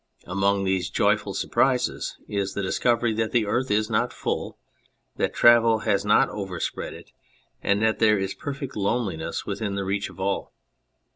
Among these joyful surprises is the discovery that the earth is not full, that travel has not overspread it, and that there is perfect loneliness within the reach of all.